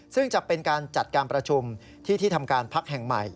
ซึ่งจะเป็นการจัดการประชุมที่ที่ทำการพักแห่งใหม่